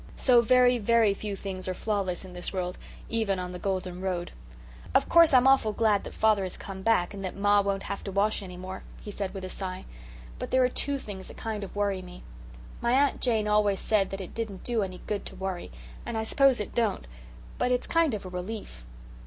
So very, very few things are flawless in this world, even on the golden road. "Of course I'm awful glad that father has come back and that ma won't have to wash any more," he said with a sigh, "but there are two things that kind of worry me. My Aunt Jane always said that it didn't do any good to worry, and I s'pose it don't, but it's kind of a relief."